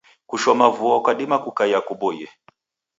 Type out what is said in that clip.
Kushoma vuo kwadima kukaia kuboie.